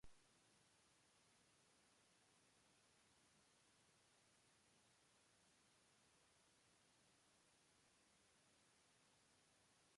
The island has been inhabited as early as the Archaic and Woodland periods.